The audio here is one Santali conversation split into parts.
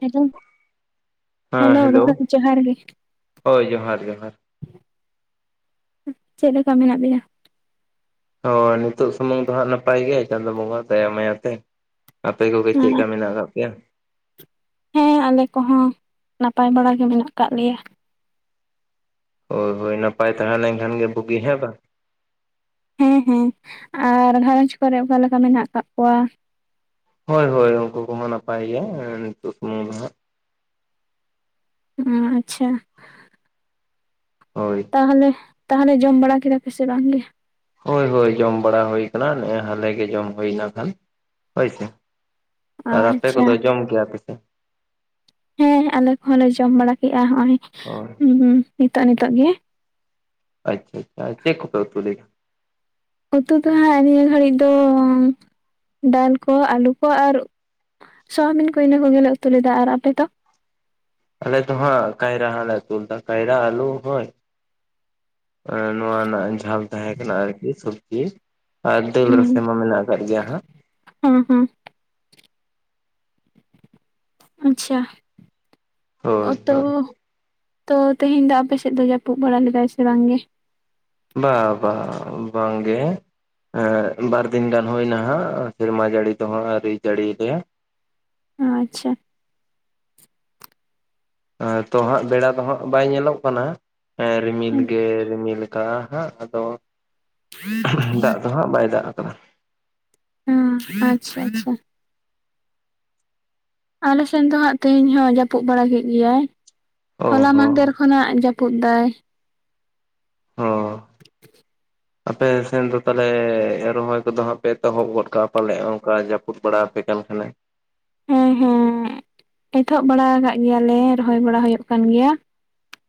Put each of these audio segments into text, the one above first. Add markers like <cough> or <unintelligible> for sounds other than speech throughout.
ᱦᱮᱞᱳ ᱦᱮᱞᱳ ᱫᱟᱫᱟ ᱡᱚᱦᱟᱨ ᱜᱮ ᱦᱳᱭ ᱡᱚᱦᱟᱨ ᱡᱚᱦᱟᱨ ᱪᱮᱫᱞᱮᱠᱟ ᱢᱮᱱᱟᱜ ᱵᱤᱱᱟ ᱦᱚᱭ ᱱᱤᱛᱚᱜ ᱥᱩᱢᱩᱝ ᱫᱚ ᱦᱟᱸᱜ ᱱᱟᱯᱟᱭ ᱜᱮ ᱪᱟᱸᱫᱳ ᱵᱚᱸᱜᱟ ᱫᱟᱭᱟ ᱢᱟᱭᱟ ᱛᱮ᱾ ᱟᱯᱮ ᱠᱚᱜᱮ ᱪᱮᱫᱠᱟ ᱢᱮᱱᱟᱜ ᱠᱟᱜ ᱯᱮᱭᱟ ᱦᱮᱸ ᱟᱞᱮ ᱠᱚᱦᱚᱸ ᱱᱟᱯᱟᱭ ᱵᱟᱲᱟ ᱜᱮ ᱢᱮᱱᱟᱜ ᱠᱟᱜ ᱞᱮᱭᱟ᱾ ᱦᱳᱭ ᱦᱳᱭ ᱱᱟᱯᱟᱭ ᱛᱟᱦᱮᱸ ᱞᱮᱱᱠᱷᱟᱱ ᱜᱮ ᱵᱩᱜᱤ ᱦᱮᱸ ᱵᱟᱝ ᱦᱮᱸ ᱦᱮᱸ ᱟᱨ ᱜᱷᱟᱨᱚᱸᱧᱡᱽ ᱠᱚᱨᱮ ᱚᱠᱟᱞᱮᱠᱟ ᱢᱮᱱᱟᱜ ᱠᱟᱜ ᱠᱚᱣᱟ ᱦᱳᱭ ᱦᱳᱭ ᱩᱱᱠᱩ ᱠᱚᱦᱚᱸ ᱱᱟᱯᱟᱭ ᱜᱮ ᱱᱤᱛᱚᱜ ᱥᱩᱢᱩᱝ ᱫᱚ ᱦᱟᱸᱜ ᱚ ᱟᱪᱪᱷᱟ᱾ ᱦᱳᱭ᱾ ᱛᱟᱦᱚᱞᱮ ᱛᱟᱦᱚᱞᱮ ᱡᱚᱢ ᱵᱟᱲᱟ ᱠᱮᱫᱟ ᱯᱮ ᱥᱮ ᱵᱟᱝᱜᱮ ᱦᱳᱭ ᱦᱳᱭ ᱡᱚᱢ ᱵᱟᱲᱟ ᱦᱩᱭ ᱠᱟᱱᱟ ᱱᱮᱜᱼᱮ ᱦᱟᱞᱮ ᱜᱮ ᱡᱚᱢ ᱦᱩᱭᱱᱟ ᱠᱷᱟᱱ ᱦᱳᱭ ᱥᱮ ᱟᱨ ᱟᱯᱮ ᱟᱪᱪᱷᱟ ᱠᱚᱫᱚ ᱡᱚᱢ ᱠᱮᱜᱼᱟ ᱯᱮ ᱥᱮ ᱦᱮᱸ ᱟᱞᱮ ᱠᱚᱦᱚᱸ ᱞᱮ ᱡᱚᱢ ᱵᱟᱲᱟ ᱠᱮᱜᱼᱟ ᱱᱚᱜᱼᱚᱭ᱾ ᱦᱳᱭ᱾ ᱦᱩᱸ ᱱᱤᱛᱚᱜ ᱱᱤᱛᱚᱜ ᱜᱮ ᱟᱪᱪᱷᱟ ᱟᱪᱪᱷᱟ ᱟᱨ ᱪᱮᱫ ᱠᱚᱯᱮ ᱩᱛᱩ ᱞᱮᱫ ᱩᱛᱩ ᱫᱚ ᱦᱟᱸᱜ ᱱᱤᱭᱟᱹ ᱜᱷᱟᱹᱲᱤᱡ ᱫᱚ ᱫᱟᱞ ᱠᱚ ᱟᱹᱞᱩ ᱠᱚ ᱟᱨ ᱥᱳᱣᱟᱵᱤᱱ ᱠᱚ ᱤᱱᱟᱹ ᱠᱚᱜᱮᱞᱮ ᱩᱛᱩ ᱞᱮᱫᱟ ᱟᱨ ᱟᱯᱮ ᱫᱚ ᱟᱞᱮ ᱫᱚ ᱦᱟᱸᱜ ᱠᱟᱭᱨᱟ ᱦᱟᱸᱜ ᱞᱮ ᱩᱛᱩ ᱞᱮᱫᱟ ᱠᱟᱭᱨᱟ ᱟᱹᱞᱩ ᱦᱚᱭ᱾ ᱮᱸ ᱱᱚᱣᱟ ᱨᱮᱱᱟᱜ ᱡᱷᱟᱞ ᱛᱟᱦᱮᱸ ᱠᱟᱱᱟ ᱟᱨᱠᱤ ᱥᱚᱵᱽᱡᱤ ᱟᱨ ᱫᱟᱹᱞ ᱨᱟᱥᱮ ᱢᱟ ᱢᱮᱱᱟᱜ ᱟᱠᱟᱫ ᱜᱮᱭᱟ ᱦᱟᱸᱜ ᱦᱩᱸ ᱦᱩᱸ ᱟᱪᱪᱷᱟ ᱚ ᱦᱳᱭ ᱛᱚ ᱦᱳᱭ ᱛᱚ ᱛᱮᱦᱮᱧ ᱫᱚ ᱟᱯᱮᱥᱮᱫ ᱫᱚᱭ ᱡᱟᱹᱯᱩᱫ ᱵᱟᱲᱟ ᱞᱮᱫᱟᱭ ᱥᱮ ᱵᱟᱝ ᱜᱮ ᱵᱟ ᱵᱟ ᱵᱟᱝᱜᱮ ᱮᱸ ᱵᱟᱨ ᱫᱤᱱ ᱜᱟᱱ ᱦᱩᱭ ᱱᱟ ᱦᱟᱸᱜ ᱥᱮᱨᱢᱟ ᱡᱟᱹᱲᱤ ᱫᱚ ᱦᱟᱸᱜ ᱟᱹᱣᱨᱤ ᱡᱟᱹᱲᱤᱭ ᱜᱮᱭᱟ᱾ ᱟᱪᱪᱷᱟ᱾ ᱮᱸ ᱛᱚ ᱦᱟᱸᱜ ᱵᱮᱲᱟ ᱫᱚ ᱦᱟᱸᱜ ᱵᱟᱭ ᱧᱮᱞᱚᱜ ᱠᱟᱱᱟ ᱮᱸ ᱨᱤᱢᱤᱞ ᱜᱮ ᱨᱤᱢᱤᱞ ᱛᱟ ᱦᱟᱸᱜ ᱟᱫᱚ ᱫᱟᱜ ᱫᱚ ᱦᱟᱸᱜ ᱵᱟᱭ ᱫᱟᱜ ᱟᱠᱟᱫᱟ᱾ ᱦᱩᱸ ᱟᱪᱪᱷᱟ ᱟᱪᱪᱷᱟ᱾ ᱟᱞᱮ ᱥᱮᱱ ᱫᱚ ᱦᱟᱸᱜ ᱛᱮᱦᱮᱧ ᱦᱚᱸ ᱡᱟᱹᱯᱩᱫ ᱵᱟᱲᱟ ᱠᱮᱫ ᱜᱮᱭᱟᱭ ᱚ ᱦᱚᱞᱟ ᱦᱚᱸ ᱢᱟᱦᱫᱮᱨᱼᱼ ᱠᱷᱚᱱᱟᱜ ᱡᱟᱹᱯᱩᱫ ᱫᱟᱭᱼᱼ ᱦᱚᱸ ᱟᱯᱮ ᱥᱮᱱ ᱫᱚ ᱛᱟᱦᱟᱞᱮ ᱨᱚᱦᱚᱭ ᱠᱚᱫᱚ ᱦᱟᱸᱜ ᱯᱮ ᱮᱛᱚᱦᱚᱵ ᱜᱚᱫ ᱠᱟᱜᱼᱟ? ᱯᱟᱞᱮᱫ ᱚᱱᱠᱟ ᱡᱟᱹᱯᱩᱫ ᱵᱟᱲᱟ ᱟᱯᱮ ᱠᱟᱱ ᱠᱷᱟᱱᱮ᱾ ᱦᱮᱸ ᱦᱮᱸ ᱮᱛᱚᱦᱚᱵ ᱵᱟᱲᱟ ᱟᱠᱟᱫ ᱜᱮᱭᱟᱞᱮ ᱨᱚᱦᱚᱭ ᱵᱟᱲᱟ ᱦᱩᱭᱩᱜ ᱠᱟᱱ ᱜᱮᱭᱟ᱾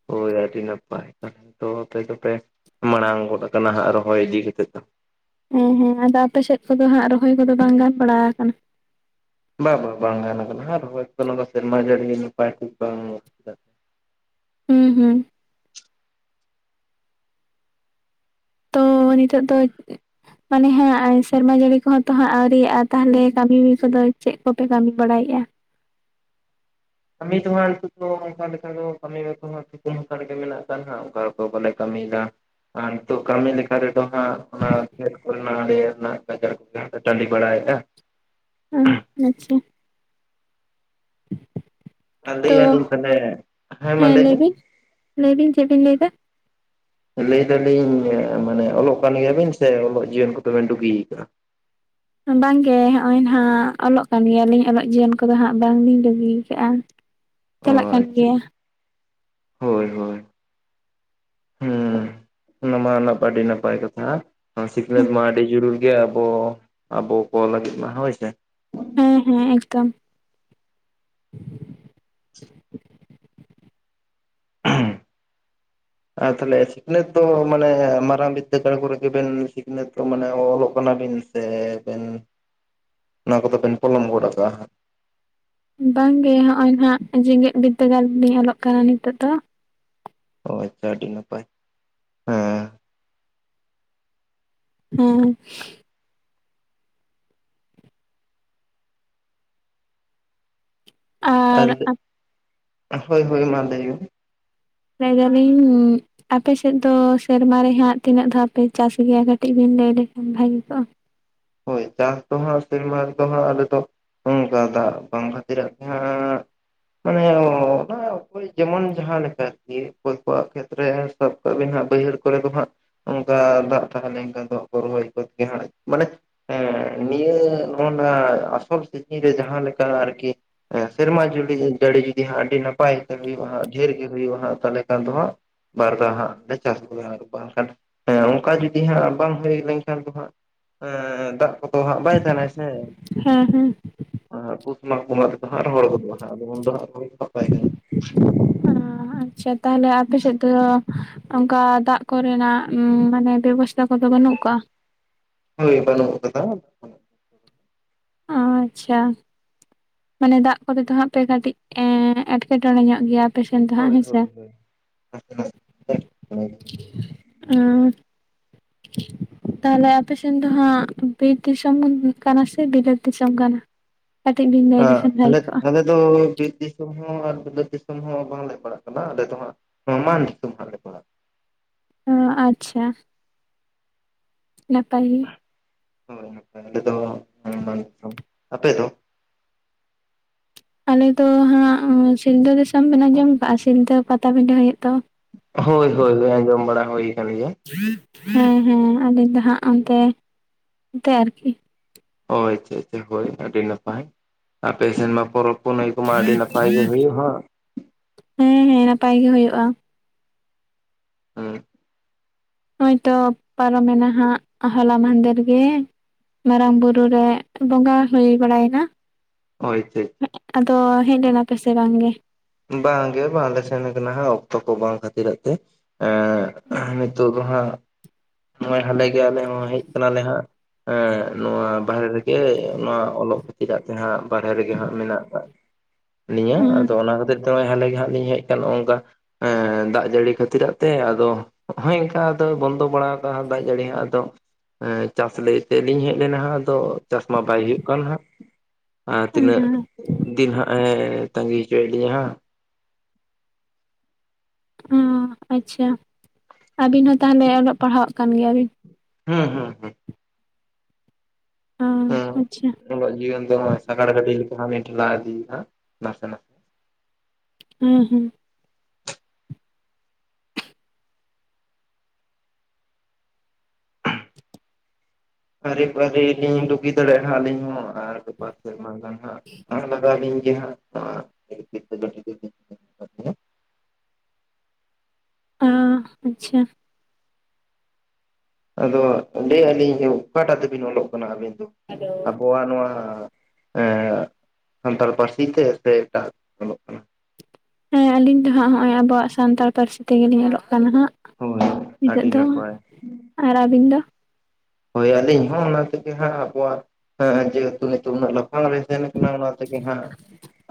ᱦᱳᱭ ᱟᱹᱰᱤ ᱱᱟᱯᱟᱭ <inaudible> ᱛᱚ ᱟᱯᱮ ᱫᱚᱯᱮ ᱢᱟᱲᱟᱝ ᱜᱚᱫᱴᱱ ᱠᱟᱱᱟ ᱦᱟᱸᱜ ᱨᱚᱦᱚᱭ ᱤᱫᱤ ᱠᱟᱛᱮ ᱫᱚ᱾ ᱦᱮᱸ ᱦᱮᱸ ᱟᱫᱚ ᱟᱯᱮ ᱥᱮᱫ ᱠᱚᱫᱚ ᱦᱟᱸᱜ ᱨᱚᱦᱚᱭ ᱠᱚᱫᱚ ᱵᱟᱝ ᱜᱟᱱ ᱵᱟᱲᱟ ᱟᱠᱟᱱᱟ? ᱵᱟ ᱵᱟᱝ ᱵᱟᱝ ᱠᱟᱱᱟ ᱦᱟᱸᱜ ᱨᱚᱦᱟᱭ ᱠᱚᱫᱚ ᱱᱚᱣᱟ ᱫᱚ ᱥᱮᱨᱢᱟ ᱡᱟᱹᱲᱤ ᱱᱟᱯᱟᱭ ᱛᱮ ᱵᱟᱝᱼᱼ ᱦᱩᱸ ᱦᱩᱸ᱾ ᱛᱳ ᱱᱤᱛᱚᱜ ᱫᱚᱭ ᱼᱼ ᱢᱟᱱᱮ ᱦᱟᱸᱜ ᱥᱮᱨᱢᱟ ᱡᱟᱹᱲᱤ ᱠᱚᱦᱚᱸ ᱛᱚ ᱦᱟᱸᱜ ᱟᱹᱣᱨᱤᱭᱟᱜᱼᱟ, ᱛᱟᱦᱚᱞᱮ ᱠᱟᱹᱢᱤ ᱠᱚᱫᱚ ᱪᱮᱫ ᱠᱚᱯᱮ ᱠᱟᱹᱢᱤ ᱵᱟᱲᱟᱭᱮᱫᱼᱟ? ᱠᱟᱹᱢᱤ ᱫᱚ ᱦᱟᱸᱜ ᱱᱤᱛᱚᱜ ᱫᱚ ᱚᱱᱠᱟ ᱞᱮᱠᱟ ᱫᱚ ᱠᱟᱹᱢᱤ ᱠᱚ ᱫᱚ ᱛᱚ ᱦᱟᱸᱜ ᱛᱷᱩᱠᱩᱢ ᱦᱟᱛᱟᱲ ᱜᱮ ᱢᱮᱱᱟᱜ ᱟᱠᱟᱫ ᱦᱟᱸᱜ ᱚᱱᱠᱟ ᱵᱟᱞᱮ ᱠᱟᱹᱢᱤᱭᱮᱫᱟ᱾ ᱟᱨ ᱛᱚ ᱠᱟᱹᱢᱤ ᱞᱮᱠᱟ ᱛᱮᱫᱚ ᱦᱟᱸᱜ ᱚᱱᱟ ᱠᱷᱮᱛ ᱠᱚᱨᱮᱱᱟᱜ ᱟᱲᱮ ᱨᱮᱱᱟᱜ ᱜᱟᱡᱟᱲ ᱠᱚ ᱴᱟᱺᱰᱤ ᱵᱟᱲᱟᱭᱮᱫᱟ᱾ ᱦᱩᱸ ᱟᱪᱪᱷᱟ᱾ ᱟᱨ ᱞᱟᱹᱭ ᱛᱚ ᱮᱜ ᱟᱞᱤᱧ ᱯᱟᱸᱡᱟᱭᱮᱜ‌ ᱟᱭ ᱦᱮᱸ ᱢᱟ ᱞᱟᱹᱭ ᱵᱤᱱᱼᱼ ᱞᱟᱹᱭ ᱵᱤᱱ ᱪᱮᱫ ᱵᱤᱱ ᱞᱟᱹᱭ ᱮᱫᱟ? ᱞᱟᱹᱭ ᱫᱟᱞᱤᱧ ᱢᱟᱱᱮ ᱚᱞᱚᱜ ᱠᱟᱱ ᱜᱮᱭᱟᱵᱤᱱ ᱥᱮ ᱚᱞᱚᱜ ᱡᱤᱭᱚᱱ ᱠᱚᱫᱚᱵᱤᱱ ᱰᱩᱜᱤ ᱟᱠᱟᱜᱼᱟ? ᱵᱟᱝᱜᱮ ᱦᱚᱜᱼᱚᱭ ᱱᱟᱦᱟᱜ ᱚᱞᱚᱜ ᱠᱟᱱ ᱜᱮᱭᱟ ᱞᱤᱧ ᱚᱞᱚᱜ ᱡᱤᱭᱚᱱ ᱠᱚᱫᱚ ᱦᱟᱸᱜ ᱵᱟᱝ ᱞᱤᱧ ᱰᱩᱜᱤ ᱟᱠᱟᱜᱼᱟ᱾ ᱚ ᱪᱟᱞᱟᱜ ᱠᱟᱱ ᱟᱪᱪᱷᱟ ᱜᱮᱭᱟ᱾ ᱦᱳᱭ ᱦᱳᱭ᱾ ᱦᱩᱸ ᱚᱱᱟᱢᱟ ᱱᱟᱯᱟᱭ ᱟᱹᱰᱤ ᱱᱟᱯᱟᱭ ᱠᱟᱛᱷᱟ᱾ ᱥᱤᱠᱷᱱᱟᱹᱛ ᱢᱟ ᱟᱹᱰᱤ ᱡᱩᱨᱩᱲ ᱜᱮᱭᱟ, ᱟᱵᱚ ᱟᱵᱚ ᱠᱚ ᱞᱟᱹᱜᱤᱫ ᱢᱟ ᱦᱳᱭ ᱥᱮ᱾ ᱦᱮᱸ ᱦᱮᱸ ᱮᱠᱫᱚᱢ᱾ ᱟᱨ ᱛᱟᱦᱚᱞᱮ ᱥᱤᱠᱷᱱᱟᱹᱛ ᱫᱚ ᱢᱟᱱᱮ ᱢᱟᱨᱟᱝ ᱵᱤᱫᱽᱫᱟᱹᱜᱟᱲ ᱠᱚᱨᱮ ᱜᱮᱵᱤᱱ ᱥᱤᱠᱷᱱᱟᱹᱛ ᱫᱚ ᱢᱟᱱᱮ ᱚᱞᱚᱜ ᱠᱟᱱᱟ ᱵᱤᱱ? ᱥᱮ ᱵᱤᱱ? ᱚᱱᱟ ᱠᱚ ᱫᱚ ᱵᱤᱱ ᱯᱚᱞᱚᱢ ᱜᱚᱫ ᱟᱠᱟᱜᱼᱟ‍᱾ ᱵᱟᱝᱜᱮ ᱦᱚᱜᱼᱚᱭ ᱱᱟᱦᱟᱜ ᱡᱮᱜᱮᱛ ᱵᱤᱫᱽᱫᱟᱹᱜᱟᱲ ᱨᱤᱞᱤᱧ ᱚᱞᱚᱜ ᱠᱟᱱᱟ ᱱᱤᱛᱚᱜ ᱫᱚ᱾ ᱚ ᱟᱪᱪᱷᱟ ᱟᱹᱰᱤ ᱱᱟᱯᱟᱭ ᱦᱮᱸ᱾ ᱦᱳᱭ᱾ ᱟᱨ ᱟᱞᱤᱧ ᱫᱚ, ᱦᱳᱭ ᱦᱳᱭ ᱢᱟ ᱞᱟᱹᱭ ᱢᱮ᱾ ᱞᱟᱹᱭ ᱫᱟᱞᱤᱧᱼᱼ ᱟᱯᱮ ᱥᱮᱫ ᱫᱚ ᱥᱮᱨᱢᱟ ᱨᱮ ᱦᱟᱸᱜ ᱛᱤᱱᱟᱹᱜ ᱫᱷᱟᱣ ᱯᱮ ᱪᱟᱥ ᱜᱮᱭᱟ ᱠᱟᱹᱴᱤᱡ ᱵᱤᱱ ᱞᱟᱹᱭ ᱞᱮᱠᱷᱟᱱ ᱵᱷᱟᱹᱜᱤ ᱠᱚᱜ-ᱟ? ᱦᱳᱭ ᱪᱟᱥ ᱫᱚ ᱦᱟᱸᱜ ᱥᱮᱨᱢᱟ ᱫᱚ ᱦᱟᱸᱜ ᱟᱞᱮ ᱫᱚ ᱱᱚᱜ ᱱᱚᱝᱠᱟ ᱫᱟᱜ ᱵᱟᱝ ᱠᱷᱟᱹᱛᱤᱨᱟᱜ ᱛᱮ ᱢᱟᱱᱮ ᱚᱱᱟ ᱚᱠᱚᱭ ᱡᱮᱢᱚᱱ ᱡᱟᱦᱟᱸ ᱞᱮᱠᱟ ᱟᱨᱠᱤ ᱚᱠᱚᱭ ᱠᱚᱣᱟᱜ ᱠᱷᱮᱛᱨᱮ᱾ ᱥᱟᱵ ᱠᱟᱜᱵᱤᱱ ᱦᱟᱜ ᱵᱟᱹᱭᱦᱟᱹᱲ ᱠᱚᱨᱮ ᱫᱚ ᱦᱟᱸᱜ᱾ ᱚᱱᱠᱟ ᱫᱟᱜ ᱛᱟᱦᱮ ᱞᱮᱱᱠᱷᱟᱱ ᱫᱟᱜ ᱠᱚ ᱨᱚᱦᱚᱭ ᱠᱚᱜ ᱜᱮᱭᱟ ᱾ᱢᱟᱱᱮ ᱦᱮᱸ ᱱᱤᱭᱟᱹ <unintelligible> ᱟᱥᱚᱞ ᱥᱨᱮᱛᱤ ᱨᱮ ᱡᱟᱦᱟᱸ ᱞᱮᱠᱟ ᱟᱨᱠᱤᱼᱼ ᱦᱮᱸ ᱥᱮᱨᱢᱟ ᱡᱩᱲᱤ ᱡᱟᱹᱲᱤ ᱡᱩᱫᱤ ᱦᱟᱸᱜ ᱟᱹᱰᱤ ᱱᱟᱯᱟᱭ ᱜᱮ ᱦᱩᱭᱩᱜ-ᱟ ᱦᱟᱸᱜ ᱰᱷᱮᱨ ᱜᱮ ᱦᱩᱭᱩᱜ-ᱟ ᱦᱟᱸᱜ ᱛᱟᱦᱚᱞᱮ ᱠᱷᱟᱱ ᱫᱚ ᱦᱟᱸᱜᱼᱼ ᱵᱟᱨ ᱫᱷᱟᱣ ᱦᱟᱸᱜ ᱞᱮ ᱪᱟᱥ ᱟᱠᱟᱫᱟ ᱟᱨ ᱵᱟᱝᱠᱷᱟᱱ ᱦᱮᱸ ᱚᱱᱠᱟ ᱡᱩᱫᱤ ᱦᱟᱸᱜ ᱵᱟᱝ ᱦᱩᱭ ᱞᱮᱱᱠᱷᱟᱱ ᱫᱚ ᱦᱟᱸᱜᱼᱼ ᱦᱮᱸ ᱫᱟᱜ ᱠᱚᱫᱚ ᱦᱟᱜ ᱵᱟᱭ ᱛᱟᱦᱮᱱᱟᱭ ᱥᱮ᱾ ᱦᱮᱸ ᱦᱮᱸ᱾ ᱟᱨ ᱯᱩᱥ ᱢᱟᱜ ᱵᱚᱸᱜᱟ ᱛᱮᱫᱚ ᱦᱟᱜ ᱨᱚᱦᱚᱲ ᱜᱚᱫᱚᱜᱼᱟ, ᱦᱟᱸᱜ ᱩᱱ ᱫᱚ ᱦᱟᱸᱜ ᱨᱚᱦᱚᱭ ᱫᱚ ᱵᱟᱝ ᱜᱟᱱᱚᱜ-ᱟ᱾ ᱟᱪᱪᱷᱟ ᱛᱟᱦᱚᱞᱮ ᱟᱯᱮ ᱥᱮᱫ ᱫᱚ ᱚᱱᱠᱟ ᱫᱟᱜ ᱠᱚᱨᱮᱱᱟᱜ ᱢᱟᱱᱮ ᱵᱮᱵᱚᱥᱼᱼ ᱛᱟ ᱠᱚᱫᱚ ᱵᱟᱹᱱᱩᱜ ᱟᱠᱟᱜ-ᱟ? ᱦᱳᱭ ᱵᱟᱹᱱᱩᱜ ᱠᱟᱫᱟ᱾ ᱟᱪᱪᱷᱟ᱾ ᱢᱟᱱᱮ ᱫᱟᱜ ᱠᱚᱛᱮ ᱫᱚ ᱦᱟᱸᱜ ᱯᱮ ᱠᱟᱹᱴᱤᱡ ᱮᱸᱜ ᱮᱸᱴᱠᱮᱴᱚᱬᱮ ᱧᱚᱜ ᱜᱮᱭᱟ᱾ ᱟᱞᱮᱥᱮᱱ ᱫᱚ ᱦᱟᱜ ᱦᱳᱭ ᱦᱮᱥᱮ ᱦᱳᱭ ᱦᱳᱭ ᱮᱻ <unintelligible> ᱛᱟᱦᱚᱞᱮ ᱟᱯᱮᱥᱮᱱ ᱫᱚ ᱦᱟᱸᱜ ᱵᱤᱨ ᱫᱤᱥᱚᱢ ᱠᱟᱱᱟ ᱥᱮ ᱵᱤᱞᱟᱹᱫ ᱫᱤᱥᱚᱢ ᱠᱟᱱᱟ? ᱠᱟᱹᱴᱤᱡ ᱵᱤᱱ ᱞᱟᱹᱭ ᱞᱮᱠᱷᱟᱱ ᱟᱞᱮ ᱵᱷᱟᱜᱮ ᱠᱚᱜ-ᱟ? ᱟᱞᱮ ᱫᱚ ᱵᱤᱨ ᱫᱤᱥᱚᱢ ᱦᱚᱸ ᱟᱨ ᱵᱤᱨ ᱫᱤᱥᱚᱢ ᱦᱚᱸ ᱵᱟᱝᱞᱮ ᱯᱟᱲᱟᱜ ᱠᱟᱱᱟ ᱟᱞᱮ ᱫᱚ ᱦᱟᱸᱜ, ᱱᱟᱢᱟᱞ ᱫᱤᱥᱚᱢ ᱞᱮ ᱦᱟᱜ ᱯᱟᱲᱟᱜ ᱠᱟᱱᱟ᱾ ᱚ ᱟᱪᱪᱷᱟ ᱱᱟᱯᱟᱭ ᱜᱮ ᱦᱳᱭ ᱟᱞᱮ ᱫᱚ ᱱᱟᱢᱟᱞ ᱫᱤᱥᱚᱢ, ᱟᱯᱮ ᱫᱚ? ᱟᱞᱮᱫᱚ ᱦᱟᱸᱜ ᱥᱤᱞᱫᱟᱹ ᱫᱤᱥᱚᱢ ᱵᱮᱱ ᱟᱡᱚᱢ ᱟᱠᱟᱜ-ᱟ, ᱥᱤᱞᱫᱟᱹ ᱯᱟᱴᱟᱵᱤᱰᱟᱹ ᱦᱩᱭᱩᱜ ᱫᱚ, ᱦᱳᱭ ᱦᱳᱭ ᱟᱸᱡᱚᱢ ᱵᱟᱲᱟ ᱦᱩᱭ ᱟᱠᱟᱱ ᱜᱮᱭᱟ᱾ ᱦᱮᱸ ᱦᱮᱸ ᱟᱞᱤᱧ ᱫᱚ ᱦᱟᱸᱜ ᱚᱱᱛᱮ ᱱᱚᱛᱮ ᱟᱨᱠᱤ ᱦᱳᱭ ᱟᱪᱪᱷᱟ ᱟᱪᱪᱷᱟ ᱦᱳᱭ ᱟᱹᱰᱤ ᱱᱟᱯᱟᱭ ᱟᱯᱮ ᱥᱮᱱᱢᱟ ᱯᱚᱨᱚᱵᱽ ᱠᱩᱱᱟᱭ ᱠᱚᱢᱟ ᱟᱹᱰᱤ ᱱᱟᱯᱟᱭ ᱜᱮ ᱦᱩᱭᱩᱜ-ᱟ ᱦᱟᱜ᱾ ᱦᱮᱸ ᱦᱮᱸ ᱱᱟᱯᱟᱭ ᱜᱮ ᱦᱩᱭᱩᱜ-ᱟ᱾ <unintelligible> ᱦᱚᱭ ᱚ ᱯᱟᱨᱚᱢᱮᱱᱟ ᱦᱟᱜ ᱦᱚᱞᱟ ᱢᱟᱫᱷᱮᱨ ᱜᱮ ᱢᱟᱨᱟᱝ ᱵᱩᱨᱩ ᱨᱮ ᱵᱚᱸᱜᱟ ᱦᱩᱭ ᱵᱟᱲᱟᱭᱮᱱᱟ᱾ <unintelligible> ᱟᱫᱚ ᱦᱮᱡ ᱞᱮᱱᱟ ᱯᱮᱥᱮ ᱵᱟᱝ ᱜᱮ? ᱵᱟᱝ ᱜᱮ ᱵᱟᱝᱞᱮ ᱥᱮᱱ ᱠᱟᱱᱟ ᱚᱠᱛᱚ ᱠᱚ ᱵᱟᱝ ᱠᱷᱟᱹᱛᱤᱨ ᱟᱜ ᱛᱮ, ᱮ ᱱᱤᱛᱚᱜ ᱟ ᱦᱟᱸᱜ ᱱᱚᱜ-ᱚᱭ ᱦᱟᱸᱰᱮ ᱜᱮ ᱟᱞᱮ ᱦᱚᱸ ᱦᱮᱡ ᱠᱟᱱᱟᱞᱮ ᱦᱟᱸᱜ ᱦᱮᱸ ᱱᱚᱣᱟ ᱵᱟᱨᱦᱮ ᱨᱮᱜᱮ ᱱᱚᱣᱟ ᱚᱞᱚᱜ ᱠᱷᱟᱹᱛᱤᱨᱟᱜ ᱛᱮᱦᱟᱸᱜ ᱵᱟᱨᱦᱮ ᱨᱮᱜᱮ ᱦᱟᱸᱜ ᱢᱮᱱᱟᱜ ᱠᱟᱜ ᱟᱹᱞᱤᱧᱟᱹ ᱦᱩᱸ ᱟᱫᱚ ᱚᱱᱟ ᱠᱷᱟᱹᱛᱤᱨ ᱛᱮ ᱦᱟᱞᱮ ᱜᱮ ᱦᱟᱸᱜ ᱞᱤᱧ ᱦᱮᱡ ᱟᱠᱟᱱ ᱱᱚᱜ-ᱚ ᱱᱚᱝᱠᱟ, ᱦᱮ ᱫᱟᱜ ᱡᱟᱹᱲᱤ ᱠᱷᱟᱹᱛᱤᱨᱟᱜ ᱛᱮ ᱟᱫᱚ ᱦᱚᱸᱜ-ᱚᱭ ᱚᱱᱠᱟ ᱵᱚᱱᱫᱚ ᱵᱟᱲᱟ <inaudible> ᱮᱸ ᱪᱟᱥ ᱞᱟᱹᱭᱛᱮ ᱞᱤᱧ ᱦᱮᱡ ᱞᱮᱱᱟ ᱟᱫᱚ ᱪᱟᱥ ᱢᱟ ᱵᱟᱭ ᱦᱩᱭᱩᱜ ᱠᱟᱱ ᱦᱟᱜ, ᱟᱨ ᱦᱩᱸ ᱛᱤᱱᱟᱹᱜ ᱫᱤᱱ ᱦᱟᱸᱜ ᱮ ᱛᱟᱸᱜᱤ ᱦᱚᱪᱚᱭᱮᱫ ᱞᱤᱧᱟ ᱦᱟᱸᱜ, ᱚ ᱟᱪᱪᱷᱟ ᱟᱹᱵᱤᱱ ᱦᱚᱸ ᱛᱟᱦᱚᱞᱮ ᱚᱞᱚᱜ ᱯᱟᱲᱦᱟᱣᱟᱜ ᱠᱟᱱ ᱜᱮᱭᱟ ᱵᱤᱱ? ᱦᱩᱸ ᱦᱩᱸ ᱦᱩᱸ ᱚ ᱟᱪᱪᱷᱟ ᱚᱞᱟᱜ ᱡᱤᱭᱚᱱ ᱫᱚ ᱚᱜᱚᱭ ᱥᱟᱜᱟᱲ ᱜᱟᱹᱰᱤ ᱞᱮᱠᱟ ᱦᱟᱸᱜ ᱞᱤᱧ ᱴᱷᱮᱞᱟᱣ ᱤᱫᱤᱭᱮᱫᱼᱟ ᱱᱟᱥᱮᱱᱟᱜ, ᱦᱩᱸ ᱦᱩᱸ ᱦᱟᱨᱤ ᱯᱷᱟᱨᱤ ᱞᱤᱧ ᱰᱩᱜᱤ ᱫᱟᱲᱮᱭᱟᱜᱼᱟᱜ ᱟᱞᱤᱧ ᱦᱚᱸ, ᱟᱨ ᱜᱟᱯᱟ ᱥᱮᱨᱢᱟ ᱫᱚ ᱦᱟᱸᱜ ᱞᱟᱜᱟᱣ ᱞᱤᱧ ᱜᱮ ᱦᱟᱸᱜ <inaudible> ᱚ ᱟᱪᱪᱷᱟ ᱟᱫᱚ ᱞᱟᱹᱭᱮᱫᱼᱟ ᱞᱤᱧ ᱚᱠᱟᱴᱟᱜ ᱛᱮᱵᱤᱱ ᱚᱞᱚᱜ ᱠᱟᱱᱟ ᱟᱵᱤᱱ ᱫᱚ? ᱦᱮᱞᱳ ᱟᱵᱚᱣᱟᱜ ᱱᱚᱣᱟ ᱮ ᱥᱟᱱᱛᱟᱲ ᱯᱟᱹᱨᱥᱤ ᱛᱮ ᱥᱮ ᱮᱴᱟᱜ ᱚᱞᱚᱜ ᱠᱟᱱᱟ? ᱦᱮᱸ ᱟᱞᱤᱧ ᱫᱚ ᱦᱟᱸᱜ ᱱᱚᱜ ᱚᱭ ᱟᱵᱚᱣᱟᱜ ᱥᱟᱱᱛᱟᱲ ᱯᱟᱹᱨᱥᱤ ᱛᱮᱜᱮᱞᱤᱧ ᱚᱞᱚᱜ ᱠᱟᱱᱟ ᱦᱟᱸᱜ᱾ ᱦᱳᱭ ᱱᱤᱛᱳᱜ ᱟᱹᱰᱤ ᱫᱚ, ᱱᱟᱯᱟᱭ ᱟᱨ ᱟᱹᱵᱤᱱ ᱫᱚ? ᱦᱳᱭ ᱟᱞᱤᱧ ᱦᱚᱸ ᱚᱱᱟ ᱛᱮᱜᱮ ᱦᱟᱸᱜ ᱟᱵᱚᱣᱟᱜ ᱦᱮᱸ ᱡᱮᱦᱮᱛᱩ ᱱᱤᱛᱚ ᱩᱱᱟ. ᱜ ᱞᱟᱯᱷᱟᱝ ᱞᱤᱱ ᱥᱮᱱ ᱟᱠᱟᱱᱟ ᱚᱱᱟ ᱛᱮᱜᱮᱢ ᱦᱟᱜ,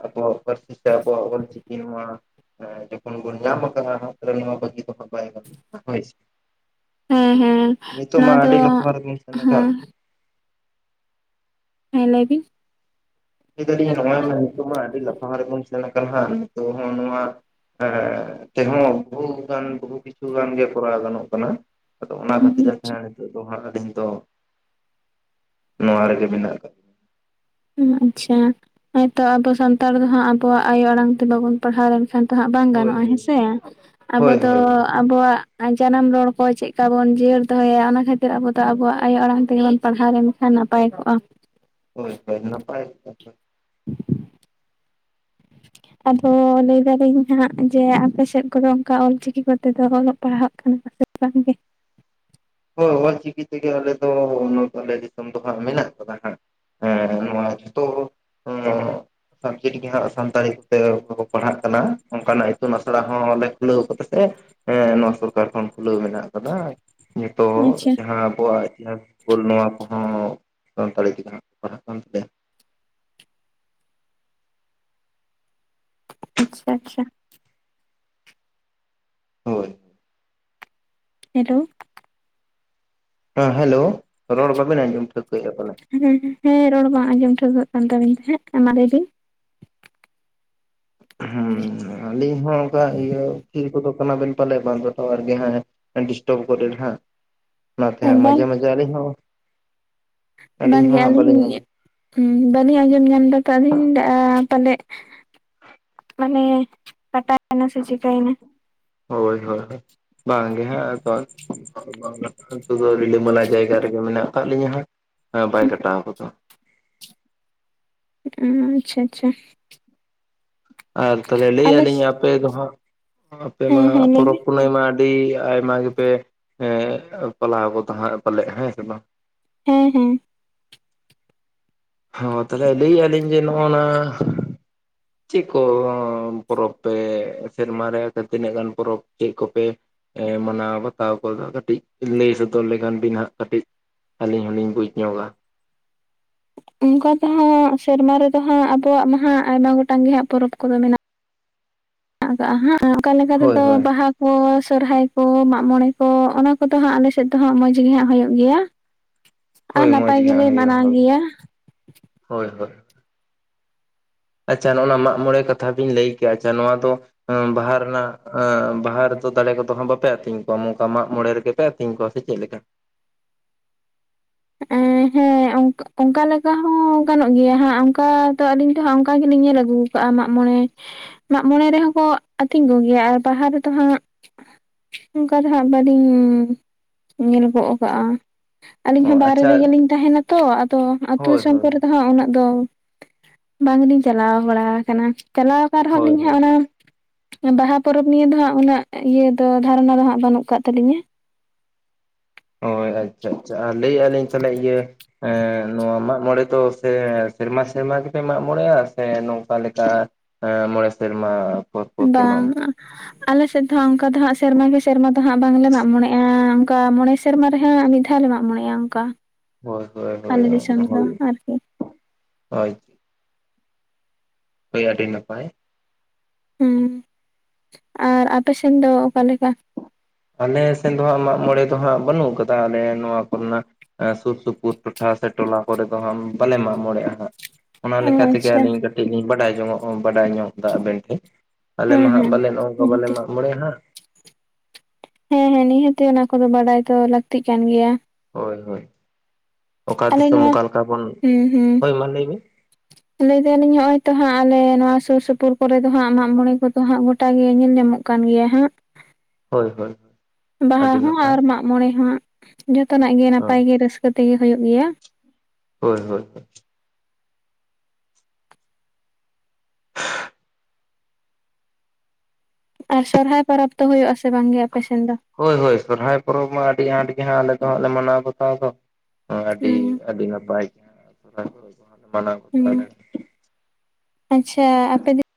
ᱟᱵᱚᱣᱟᱜ ᱯᱟᱹᱨᱥᱤ ᱛᱮ ᱟᱵᱚᱣᱟᱜ ᱚᱞᱪᱤᱠᱤ ᱱᱚᱣᱟ ᱮ ᱡᱚᱠᱷᱚᱱ ᱵᱚᱱ ᱧᱟᱢᱟ ᱟᱠᱟᱜ ᱦᱟᱜ ᱱᱚᱣᱟ ᱵᱟᱜᱤ ᱫᱚ ᱵᱟᱭ ᱜᱟᱱᱚᱜ-ᱟ ᱦᱳᱭ ᱥᱮ, ᱦᱮᱸ ᱦᱮᱸ ᱱᱚᱣᱟ ᱫᱚ ᱟᱹᱰᱤ ᱦᱮᱸ <unintelligible> ᱦᱮ ᱞᱟ. ᱭ ᱵᱤᱱ, ᱞᱟᱹᱭ ᱫᱟᱞᱤᱧ ᱱᱚᱜᱚᱭ ᱱᱤᱛᱚᱜ ᱢᱟ ᱟᱹᱰᱤ ᱞᱟᱯᱷᱟᱝ ᱨᱮᱵᱚᱱ ᱥᱮᱱ ᱠᱟᱱᱟ ᱦᱟᱜ ᱱᱤᱛᱚᱜ ᱦᱚᱸ ᱱᱚᱣᱟ ᱦᱮ ᱛᱮᱦᱚ ᱵᱚᱦᱩ ᱜᱟᱱ ᱵᱦᱩ <unintelligible> ᱠᱤᱪᱷᱩ ᱜᱟᱱ ᱜᱮ ᱠᱚᱨᱟᱣ ᱜᱟᱱᱚᱜ ᱠᱟᱱᱟ ᱾ ᱟᱫᱚ ᱚᱱᱟ ᱦᱩᱸ ᱠᱷᱟᱛᱤᱨ ᱟᱛᱮ ᱦᱟᱜ ᱱᱤᱛᱚᱜ ᱫᱚ ᱦᱟᱸᱜ ᱟᱞᱤᱧ ᱫᱚᱼᱼ ᱱᱚᱣᱟ ᱨᱮᱜᱮ ᱢᱮᱱᱟᱜ ᱟᱠᱟᱫᱼᱼ ᱦᱩᱸ ᱟᱪᱪᱷᱟ ᱦᱚᱭ ᱛᱚ ᱟᱵᱚ ᱥᱟᱱᱛᱟᱲ ᱫᱚ ᱦᱟᱜ ᱟᱵᱚᱣᱟᱜ ᱟᱭᱳ ᱟᱲᱟᱝ ᱛᱮ ᱵᱟᱵᱚᱱ ᱯᱟᱲᱦᱟᱣ ᱞᱮᱱᱠᱷᱟᱱ, ᱛᱚ ᱦᱟᱜ ᱵᱟᱝ ᱦᱳᱭ ᱜᱟᱱᱚᱜᱼᱟ ᱦᱮᱸᱥᱮ ᱟᱵᱚ ᱦᱳᱭ ᱫᱚ ᱦᱳᱭ ᱦᱳᱭ ᱟᱵᱚᱣᱟᱜ ᱟᱪᱟᱨᱚᱱ ᱨᱚᱲ ᱠᱚ ᱪᱮᱫ ᱠᱟ ᱵᱟᱱ ᱡᱤᱭᱟᱹᱲ ᱫᱚᱦᱚᱭᱟ ᱚᱱᱟ ᱠᱷᱟᱹᱛᱤᱨ ᱟᱵᱚ ᱫᱚ ᱟᱵᱚᱣᱟᱜ ᱟᱭᱳ ᱟᱲᱟᱝ ᱛᱮᱜᱮ ᱵᱚᱱ ᱯᱟᱲᱦᱟᱣ ᱞᱮᱱᱼᱼᱼ ᱠᱷᱟᱱ ᱱᱟᱯᱟᱭ ᱠᱚᱼᱟ ᱾ ᱦᱚᱭ ᱦᱚᱭ ᱱᱟᱯᱟᱭ <inaudible> ᱟᱫᱚ ᱞᱟᱹᱭ ᱫᱟᱞᱤᱧ ᱦᱟᱸᱜ ᱡᱮ ᱟᱯᱮ ᱥᱮᱫ ᱠᱚᱫᱚ ᱚᱱᱠᱟ ᱚᱞ ᱪᱤᱠᱤ ᱠᱚᱛᱮ ᱫᱚ ᱚᱞᱚᱜ ᱯᱟᱲᱦᱟᱜ, ᱠᱟᱱᱟ ᱯᱟᱥᱮ ᱵᱟᱝᱜᱮ <unintelligible> ᱦᱳᱭ ᱚᱞᱪᱤᱠᱤ ᱛᱮᱜᱮ ᱟᱞᱮ ᱫᱚ ᱱᱚ <unintelligible> ᱟᱞᱮ ᱫᱤᱥᱚᱢ ᱫᱚ ᱦᱟᱸᱜ ᱢᱮᱱᱟᱜ ᱠᱟᱫᱟ ᱦᱟᱸᱜ ᱦᱮᱸ ᱱᱚᱣᱟ ᱛᱚ ᱦᱚᱸ ᱚᱞ ᱪᱤᱠᱤ ᱜᱮ ᱦᱟᱜ ᱥᱟᱱᱛᱟᱲᱤ ᱛᱮ ᱯᱟᱲᱦᱟᱜ ᱠᱟᱱᱟ ᱚᱱᱠᱟ ᱱᱟᱜ ᱤᱛᱩᱱ ᱟᱥᱲᱟ ᱦᱚᱸᱞᱮ ᱠᱷᱩᱞᱟᱹᱣ ᱟᱠᱟᱫᱟ ᱥᱮ ᱾ ᱦᱮᱸ ᱱᱚᱣᱟ ᱥᱚᱨᱠᱟᱨ ᱠᱷᱚᱱ ᱠᱷᱩᱞᱟᱹᱣ ᱢᱮᱱᱟᱜ ᱟᱠᱟᱫᱟ, ᱱᱤᱛᱚᱜ ᱟᱪᱪᱷᱟ ᱡᱟᱦᱟᱸ ᱟᱵᱚᱣᱟᱜᱼᱼᱼ ᱦᱩᱞ ᱢᱟᱦᱟ ᱠᱚᱦᱚ ᱥᱟᱱᱛᱟᱲᱤ ᱛᱮ ᱱᱟᱸᱜ ᱠᱚ ᱯᱟᱲᱦᱟᱜ ᱠᱟᱱ ᱛᱟᱞᱮᱭᱟ ᱾ ᱟᱪᱪᱷᱟ ᱟᱪᱪᱷᱟ ᱦᱚᱭ ᱦᱮᱞᱳ ᱦᱮ ᱦᱮᱞᱳ ᱨᱚᱲ ᱵᱟᱵᱤᱱ ᱟᱡᱚᱢ ᱴᱷᱟᱹᱭᱠᱟᱹᱭᱮᱫ ᱯᱟᱞᱮ ᱾ ᱦᱮᱸ ᱦ ᱦᱮᱸ ᱨᱚᱲ ᱵᱟᱝ ᱟᱡᱚᱢ ᱴᱷᱟ. ᱣᱠᱟ. ᱠᱟᱱ ᱛᱟᱵᱤᱱ ᱛᱟᱦᱮᱫ ᱮ ᱢᱟ ᱞᱟᱹᱭ ᱵᱤᱱ ᱦᱮᱸ ᱟᱹᱞᱤᱧ ᱦᱚᱸ ᱚᱱᱠᱟ ᱤᱭᱟᱹ ᱛᱤᱨ ᱠᱚᱫᱚ ᱠᱟᱱᱟᱵᱤᱱ ᱯᱟᱞᱮ ᱵᱟᱝ ᱫᱚ ᱴᱟᱣᱟᱨ ᱜᱮ ᱦᱮᱼᱼ ᱰᱤᱥᱴᱟᱵᱽ ᱠᱚᱨᱮ ᱦᱟᱸᱜ ᱚᱱᱟᱛᱮ ᱦᱟᱸᱜ ᱵᱟᱝ ᱢᱟᱡᱷᱮ ᱢᱟᱡᱷᱮ ᱟᱹᱞᱤᱧ ᱦᱚᱸ ᱟᱹᱞᱤᱧ ᱵᱟᱝᱜᱮ ᱦᱚᱸ ᱦᱟᱸᱜ ᱟᱞᱤᱧ ᱵᱟᱹᱞᱤᱧ ᱟᱸᱡᱚᱢ ᱵᱟᱹᱞᱤᱧ ᱟᱡᱚᱢ ᱧᱟᱢ ᱫᱟ ᱛᱚ ᱟᱹᱞᱤᱧ ᱞᱤᱧ ᱞᱟᱹᱭ ᱮᱫᱟ ᱯᱟᱞᱮᱫᱼᱼᱼ ᱢᱟᱱᱮ ᱠᱟᱴᱟᱜ ᱠᱟᱱᱟ ᱥᱮ ᱪᱮᱠᱟᱭᱮᱱᱟ ᱾ ᱦᱳᱭ ᱦᱳᱭ ᱵᱟᱝᱜᱮ ᱦᱟᱸᱜ ᱟᱫᱚ ᱱᱤᱛᱚᱜ <unintelligible> ᱫᱚ ᱨᱤᱞᱟᱹᱢᱟᱞᱟ ᱡᱟᱭᱜᱟ ᱨᱮᱜᱮ ᱢᱮᱱᱟᱜ ᱟᱠᱟᱫ ᱞᱤᱧᱟᱹ ᱦᱟᱸᱜ ᱵᱟᱭ ᱠᱟᱴᱟᱣ ᱜᱚᱫᱚ᱾ ᱩ ᱟᱪᱪᱷᱟ ᱟᱪᱪᱷᱟ ᱟᱨ ᱛᱟᱦᱚᱞᱮ ᱞᱟᱹᱭᱮᱫ ᱟᱞᱮ ᱞᱤᱧ ᱟᱯᱮ ᱫᱚ ᱦᱟᱸᱜ, ᱟᱯᱮ ᱢᱟ ᱦᱮᱸ ᱦᱮᱸ ᱞᱟᱹᱭ ᱯᱚᱨᱚᱵᱽ ᱵᱤᱱ ᱯᱩᱱᱟᱹᱭ ᱢᱟ ᱟᱹᱰᱤ ᱟᱭᱢᱟ ᱜᱮᱯᱮ ᱮ ᱯᱟᱞᱟᱣ ᱜᱚᱫᱟ ᱦᱟ ᱯᱟᱞᱮᱫ ᱦᱮᱸ ᱥᱮ ᱵᱟᱝ ᱾ ᱦᱮᱸ ᱦᱮᱸ ᱦᱚᱸ ᱛᱟᱞᱦᱮ ᱞᱟᱹᱭ ᱟᱹᱞᱤᱧ ᱡᱮ ᱱᱚᱜ-ᱚ ᱱᱟᱼᱼ ᱪᱮᱫ ᱠᱚ ᱯᱚᱨᱚᱵᱽ ᱯᱮ ᱥᱮᱨᱢᱟ ᱨᱮ ᱥᱮ ᱛᱤᱱᱟᱹᱜ ᱜᱟᱱ ᱯᱚᱨᱚᱵᱽ ᱪᱮᱫ ᱠᱚᱯᱮᱼᱼ ᱢᱟᱱᱟᱣ ᱵᱟᱛᱟᱣ ᱠᱚᱫᱚ ᱠᱟᱹᱴᱤᱡ, ᱞᱟᱹᱭ ᱥᱚᱫᱚᱨ ᱞᱮᱠᱷᱟᱱ ᱵᱤᱱ ᱦᱟᱸᱜ ᱠᱟᱹᱴᱤᱡᱼᱼ ᱟᱹᱞᱤᱧ ᱦᱚᱞᱤᱧ ᱵᱩᱡᱽ ᱧᱚᱜᱟ ᱾ ᱚᱱᱠᱟ ᱛᱚ ᱦᱟᱸ ᱥᱮᱨᱢᱟ ᱨᱮᱫᱚ ᱦᱟᱸᱜ ᱟᱵᱚᱣᱟᱜ ᱢᱟ ᱦᱟᱜ ᱟᱭᱢᱟ ᱜᱚᱴᱟᱝ ᱜᱮ ᱦᱟᱸᱜ ᱯᱚᱨᱚᱵᱽ ᱠᱚᱫᱚ ᱢᱮᱱᱟᱜ ᱾ <unintelligible> ᱚᱱᱠᱟ ᱞᱮᱠᱟ ᱦᱳᱭ ᱛᱮᱫᱚ ᱦᱳᱭ ᱵᱟᱦᱟ ᱥᱚᱨᱦᱟᱭ ᱠᱚ ᱢᱟᱜ ᱢᱚᱬᱮ ᱠᱚ ᱚᱱᱟ ᱠᱚᱫᱚ ᱦᱟᱸᱜ ᱟᱞᱮ ᱥᱮᱫ ᱫᱚᱦᱟᱸᱜ ᱢᱚᱸᱡᱽ ᱜᱮ ᱦᱟᱸᱜ ᱦᱩᱭᱩᱜ ᱜᱮᱭᱟ ᱾ ᱟ ᱦᱳᱭ ᱱᱟᱯᱟᱭ ᱢᱚᱸᱡᱽ ᱜᱮᱞᱮ ᱢᱟᱱᱟᱣ ᱜᱮᱭᱟ ᱾ ᱦᱚᱭ ᱦᱚᱭ ᱟᱪᱪᱷᱟ ᱱᱚᱜᱼᱚ ᱱᱟ ᱢᱟᱜ ᱢᱚᱬᱮ ᱠᱟᱛᱷᱟ ᱵᱤᱱ ᱞᱟᱹᱭ ᱠᱮ ᱟᱪᱪᱷᱟ ᱱᱚᱣᱟ ᱫᱚ, ᱵᱟᱦᱟ ᱨᱮᱱᱟᱜ ᱵᱟᱦᱟ ᱨᱮᱫᱚ ᱫᱟᱲᱮ ᱠᱚᱫᱚ ᱦᱟᱸᱜ ᱵᱟᱯᱮ ᱟᱹᱛᱤᱧ ᱠᱚᱣᱟ ᱢᱚᱠᱟ ᱢᱟᱜ ᱢᱚᱲᱮ ᱨᱮᱜᱮᱼᱼ ᱯᱮ ᱟᱹᱛᱤᱧ ᱠᱚᱣᱟ ᱥᱮ ᱪᱮᱫ ᱞᱮᱠᱟ? ᱮᱸ ᱦᱮᱸ ᱚᱱᱠᱟ ᱞᱮᱠᱟ ᱦᱚᱸ ᱜᱟᱱᱚᱜ ᱜᱮᱭᱟ ᱦᱟᱸᱜ ᱚᱱᱠᱟ ᱫᱚ ᱟᱹᱞᱤᱧ ᱫᱚ ᱦᱟᱸᱜ ᱚᱝᱠᱟ ᱜᱮᱞᱤᱧ ᱧᱮᱞ ᱟᱹᱜᱩ ᱠᱟᱜ ᱢᱟᱜ ᱢᱚᱬᱮ, ᱢᱟᱜ ᱢᱚᱬᱮ ᱨᱮᱦᱚᱸ ᱠᱚ ᱟᱹᱛᱤᱧ ᱠᱚᱜᱮᱭᱟ ᱟᱨ ᱵᱟᱦᱟ ᱨᱮᱫᱚ ᱦᱟᱸᱜᱼᱼ ᱚᱝᱠᱟ ᱫᱚ ᱦᱟᱸᱜ ᱵᱟᱞᱤᱧ ᱧᱮᱞ ᱜᱚᱫ ᱠᱟᱜ-ᱟ ᱟᱹᱞᱤᱧ ᱚ ᱦᱚᱸ ᱵᱟᱦᱨᱮ ᱟᱪᱪᱷᱟ ᱨᱮᱜᱮ ᱞᱤᱧ ᱛᱟᱦᱮ ᱱᱟᱛᱚ, ᱟᱫᱚ ᱟᱛᱩ ᱦᱳᱭ ᱫᱤᱥᱚᱢ ᱦᱳᱭ ᱠᱚᱨᱮ ᱫᱚ ᱦᱟᱸᱜ ᱩᱱᱟᱹᱜ ᱫᱚ ᱵᱟᱝᱞ ᱤᱧ ᱪᱟᱞᱟᱣ ᱵᱟᱲᱟ ᱠᱟᱱᱟ᱾ ᱪᱟᱞᱟᱣ ᱟᱠᱟᱱ ᱨᱮ ᱦᱳᱭ ᱦᱚᱸᱞᱤᱧ ᱦᱟᱸᱜ ᱦᱳᱭ ᱚᱱᱟᱼᱼ ᱵᱟᱦᱟ ᱯᱚᱨᱚᱵᱽ ᱱᱤᱭᱮ ᱫᱚ ᱦᱟᱸᱜ ᱩᱱᱟᱹᱜ ᱤᱭᱟᱹ ᱫᱚ ᱫᱷᱟᱨᱚᱱᱟ ᱫᱚ ᱦᱟᱸᱜ ᱵᱟᱹᱱᱩᱜ ᱠᱟᱜ ᱛᱟᱹᱟᱞᱤᱧᱟ ᱾ ᱦᱚᱭ ᱟᱪᱪᱷᱟ ᱟᱪᱪᱷᱟ ᱟᱨ ᱞᱟᱹᱭᱮᱜ ᱟᱞᱤᱧ ᱛᱟᱦᱚᱞᱮ ᱤᱭᱟᱹᱼᱼ ᱮᱸ ᱱᱚᱣᱟ ᱢᱟᱜ ᱢᱚᱲᱮ ᱫᱚ ᱥᱮ ᱥᱮᱨᱢᱟ ᱥᱮᱨᱢᱟ ᱜᱮᱯᱮ ᱢᱟᱜ ᱢᱚᱬᱮᱟ ᱥᱮ ᱱᱚᱝᱠᱟ ᱞᱮᱠᱟ ᱢᱚᱬᱮ ᱥᱮᱨᱢᱟ? ᱯᱚᱨ ᱯᱚᱨ ᱯᱮ ᱢᱟᱜ ᱵᱟᱝ ᱢᱚᱬᱮᱜᱼᱟ? ᱟᱞᱮ ᱥᱮᱫ ᱫᱚ ᱦᱟᱸᱜ ᱚᱝᱠᱟ ᱫᱚ ᱦᱟᱸᱜ ᱥᱮᱨᱢᱟ ᱜᱮ ᱥᱮᱨᱢᱟ ᱫᱚ ᱦᱟᱸᱜ ᱵᱟᱝᱞᱮ ᱢᱟᱜ ᱢᱚᱬᱮᱟ ᱚᱝᱠᱟ ᱢᱚᱬᱮ ᱥᱮᱨᱢᱟ ᱨᱮ ᱦᱟᱸᱜ ᱢᱤᱫ ᱫᱷᱟ ᱞᱮ ᱢᱟᱜ ᱢᱚᱬᱮᱟ ᱚᱝᱠᱟ᱾ ᱦᱳᱭ ᱦᱳᱭ ᱟᱨᱠᱤ ᱦᱳᱭ-ᱦᱳᱭ ᱦᱳᱭ ᱟᱹᱰᱤ ᱱᱟᱯᱟᱭ ᱦᱩᱸ ᱟᱨ ᱟᱯᱮ ᱥᱮᱱ ᱫᱚ ᱚᱠᱟ ᱞᱮᱠᱟ? ᱟᱞᱮ ᱥᱮᱱ ᱫᱚ ᱦᱟᱸᱜ ᱢᱟᱜ ᱢᱚᱬᱮ ᱫᱚ ᱦᱟᱸᱜ ᱵᱟᱹᱱᱩᱜ ᱠᱟᱫᱟ ᱟᱞᱮ ᱱᱚᱣᱟ ᱠᱚᱨᱮᱱᱟ᱾ ᱥᱩᱨ ᱥᱩᱯᱩᱨ ᱴᱚᱴᱷᱟ ᱥᱮ ᱴᱚᱞᱟ ᱠᱚᱨᱮ ᱫᱚ ᱦᱟᱸᱜ ᱵᱟᱞᱮ ᱢᱟᱜ ᱢᱚᱬᱮᱟ ᱦᱟᱸᱜ᱾ ᱚᱱᱟ ᱚ ᱞᱮᱠᱟ ᱛᱮᱜᱮ ᱟᱪᱪᱷᱟ ᱟᱹᱞᱤᱧ ᱠᱟᱹᱴᱤᱡ ᱞᱤᱧ ᱵᱟᱰᱟᱭ ᱡᱚᱝᱚᱜ ᱵᱟᱰᱟᱭ ᱧᱚᱜ ᱫᱟ ᱟᱵᱮᱱ ᱴᱷᱮᱡ᱾ ᱟᱞᱮ ᱦᱮᱸ ᱢᱟ ᱦᱟᱸᱜ ᱦᱮᱸ ᱵᱟᱞᱮ ᱱᱚᱜ-ᱚᱝᱠᱟ ᱵᱟᱞᱮ ᱱᱤᱦᱟᱹᱛᱤ ᱢᱟᱜ ᱢᱚᱬᱮ ᱟ ᱦᱟᱸᱜ᱾ ᱦᱮᱸ ᱦᱮᱸ ᱱᱤᱦᱟᱹᱛᱤ ᱚᱱᱟ ᱠᱚᱫᱚ ᱵᱟᱰᱟᱭ ᱫᱚ ᱞᱟᱹᱠᱛᱤ ᱠᱟᱱ ᱜᱮᱭᱟ᱾ ᱦᱳᱭ ᱦᱳᱭ ᱚᱠᱟ ᱟᱞᱮ ᱫᱤᱥᱚᱢ ᱱᱚᱣᱟ ᱚᱠᱟ ᱞᱮᱠᱟ ᱵᱚᱱ ᱦᱩᱸ ᱦᱩᱸ ᱦᱳᱭ ᱢᱟ ᱞᱟᱹᱭ ᱵᱤᱱ, <unintelligible> ᱞᱟᱹᱭ ᱫᱟᱞᱤᱧ ᱦᱸᱚᱜ ᱚᱭ ᱛᱚ ᱦᱟᱸᱜ ᱟᱞᱮ ᱱᱚᱣᱟ ᱥᱩᱨ ᱥᱩᱯᱩᱨ ᱠᱚᱨᱮ ᱫᱚ ᱦᱟᱸᱜ ᱢᱟᱜ ᱢᱚᱬᱮ ᱠᱚᱫᱚ ᱦᱟᱸᱜ ᱜᱚᱴᱟ ᱜᱮ ᱧᱮᱞ ᱧᱟᱢᱚᱜ ᱠᱟᱱ ᱜᱮᱭᱟ ᱦᱟᱸᱜ᱾ ᱦᱳᱭ ᱦᱳᱭ ᱵᱟᱦᱟ ᱟᱹᱰᱤ ᱦᱚᱸ ᱱᱟᱯᱟᱭ ᱟᱨ ᱢᱟᱜ ᱢᱚᱬᱮ ᱦᱚᱸ ᱡᱚᱛᱚ ᱱᱟᱜ ᱜᱮ ᱦᱳᱭ ᱱᱟᱯᱟᱭ ᱜᱮ ᱨᱟᱹᱥ- ᱠᱟᱹ ᱛᱮᱜᱮ ᱦᱩᱭᱩᱜ ᱜᱮᱭᱟ᱾ ᱦᱳᱭ ᱦᱳᱭ ᱦᱳᱭ ᱟᱨ ᱥᱚᱦᱨᱟᱭ ᱯᱚᱨᱚᱵᱽ ᱫᱚ ᱦᱩᱭᱩᱜ ᱟ ᱥᱮ ᱵᱟᱝ ᱜᱮ ᱟᱯᱮ ᱥᱮᱱ ᱫᱚ? ᱦᱳᱭ ᱦᱳᱭ ᱥᱚᱨᱦᱟᱭ ᱯᱚᱨᱚᱵᱽ ᱢᱟ ᱟᱹᱰᱤ ᱟᱸᱴ ᱜᱮ ᱦᱟᱸᱜ ᱟᱞᱮ ᱫᱚ ᱦᱟᱸᱜ ᱞᱮ ᱢᱟᱱᱟᱣ ᱵᱟᱛᱟᱣ ᱫᱚ᱾ ᱟᱰᱤ ᱦᱩᱸ ᱟᱹᱰᱤ ᱱᱟᱯᱟᱭ ᱜᱮ <unintelligible> ᱢᱟᱱᱟᱣ ᱦᱩᱸ ᱵᱟᱛᱟᱣ ᱟᱞᱮ ᱟᱪᱪᱷᱟ ᱟᱯᱮ